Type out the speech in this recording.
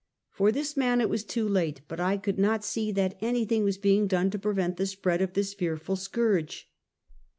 For this man it was too late, but I could not see that anything was being done to prevent the spread of this fearful scourge.